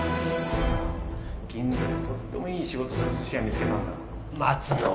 それか銀座でとってもいい仕事する寿司屋見つけたんだ。